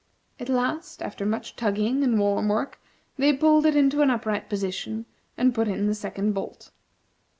At last, after much tugging and warm work, they pulled it into an upright position, and put in the second bolt.